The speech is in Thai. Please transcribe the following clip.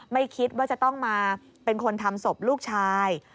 ไม่คิดว่าจะต้องมาเป็นคนทำศพลูกชาย